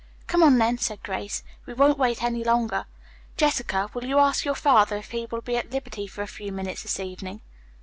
"Come on then," said Grace, "we won't wait any longer. Jessica, will you ask your father if he will be at liberty for a few minutes this evening?"